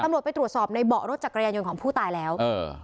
ตำรวจไปตรวจสอบในเบาะรถจักรยานยนต์ของผู้ตายแล้วเออ